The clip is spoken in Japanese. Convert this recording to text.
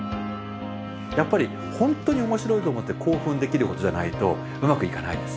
やっぱり本当に面白いと思って興奮できることじゃないとうまくいかないです。